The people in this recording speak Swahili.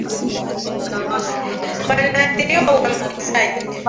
wanaoathiriwa uambukizaji